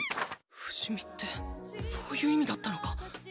不死身ってそういう意味だったのか。